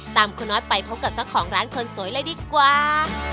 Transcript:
ตามคุณน็อตไปพบกับเจ้าของร้านคนสวยเลยดีกว่า